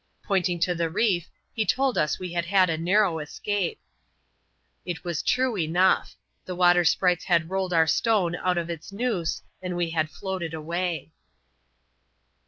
Pointing to the reef, he told us we had had a narrow escape. It was true enough ; the water sprites had rolled our atone ^ut of its noose, and we had floated away.